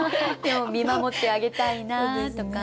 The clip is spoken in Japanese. でも見守ってあげたいなとか。